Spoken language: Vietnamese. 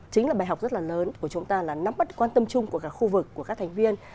chính là bài học rất là lớn của chúng ta là nắm bắt quan tâm chung của cả khu vực của các thành viên